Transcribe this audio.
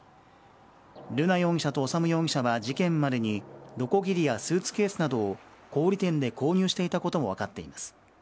瑠奈容疑者と修容疑者は事件までにのこぎりやスーツケースなどを小売店で購入していたことも分かっています。